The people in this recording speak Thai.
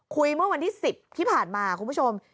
เมื่อวันที่๑๐ที่ผ่านมาคุณผู้ชม